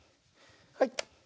はい。